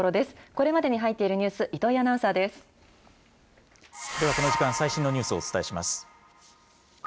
これまでに入っているニュース、ではこの時間、最新のニュースをお伝えします。